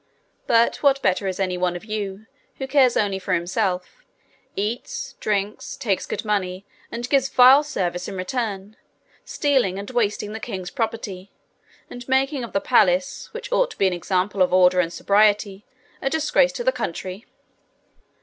But what better is any one of you who cares only for himself, eats, drinks, takes good money, and gives vile service in return, stealing and wasting the king's property, and making of the palace, which ought to be an example of order and sobriety, a disgrace to the country?'